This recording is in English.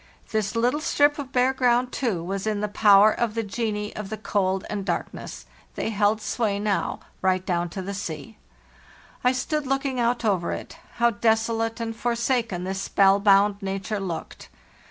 This little strip of bare ground, too, was in the power of the genii of the cold and darkness; they held sway now, right down to the sea. I stood looking out over it. How desolate and forsaken this spell bound nature looked!